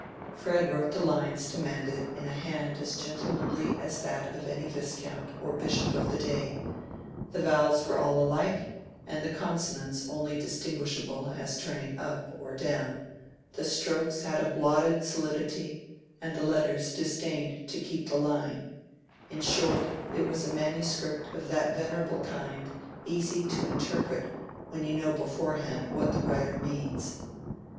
Fred wrote the lines demanded in a hand as gentlemanly as that of any viscount or bishop of the day: the vowels were all alike and the consonants only distinguishable as turning up or down, the strokes had a blotted solidity and the letters disdained to keep the line—in short, it was a manuscript of that venerable kind easy to interpret when you know beforehand what the writer means.